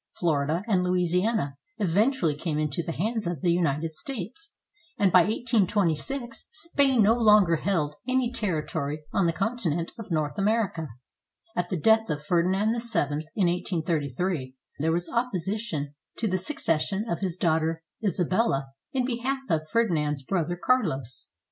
Florida and Louisiana eventually came into the hands of the United States, and by 1826 Spain no longer held any territory on the continent of North America. At the death of Ferdinand VII, in 1833, there was opposi tion to the succession of his daughter Isabella, in behalf of Ferdinand's brother Carlos.